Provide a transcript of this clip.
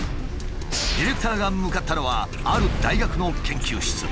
ディレクターが向かったのはある大学の研究室。